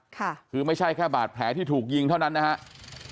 ค่ะคือไม่ใช่แค่บาดแผลที่ถูกยิงเท่านั้นนะครับ